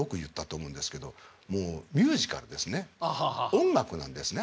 音楽なんですね。